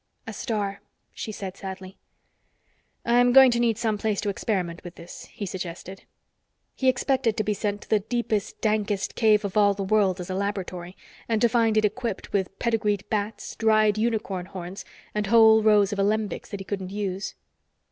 "A star," she said sadly. "I'm going to need some place to experiment with this," he suggested. He expected to be sent to the deepest, dankest cave of all the world as a laboratory, and to find it equipped with pedigreed bats, dried unicorn horns and whole rows of alembics that he couldn't use.